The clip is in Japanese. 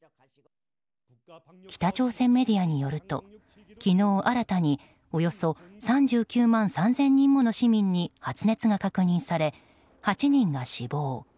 北朝鮮メディアによると昨日、新たにおよそ３９万３０００人もの市民に発熱が確認され、８人が死亡。